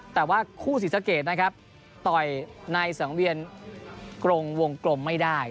แต่ว่าคู่ศรีสะเกดนะครับต่อยในสังเวียนกรงวงกลมไม่ได้